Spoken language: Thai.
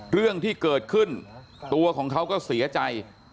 เรื่องที่เกิดขึ้นตัวของเขาก็เสียใจ